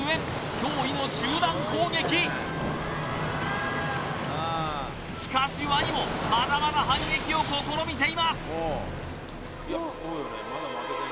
脅威の集団攻撃しかしワニもまだまだ反撃を試みています